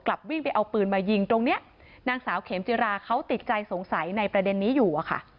วิ่งไปเอาปืนมายิงตรงเนี้ยนางสาวเขมจิราเขาติดใจสงสัยในประเด็นนี้อยู่อะค่ะ